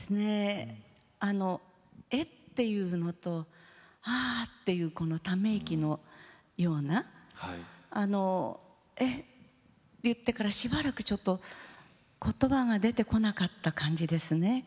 えっっていうのとああというため息のようなえ？と言ってからしばらくことばが出てこなかった感じですね。